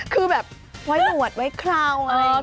คือแบบไว้หนวดไว้เคราอะไรอย่างนี้